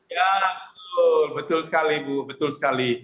ya betul betul sekali bu betul sekali